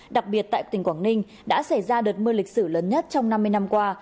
đặc biệt tại tỉnh quảng ninh đã xảy ra đợt mưa lịch sử lớn nhất trong năm mươi năm qua